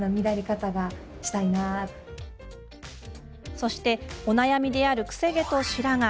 そして、お悩みである癖毛と白髪。